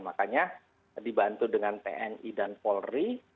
makanya dibantu dengan tni dan polri